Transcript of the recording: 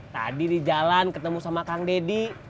tadi di jalan ketemu sama kang deddy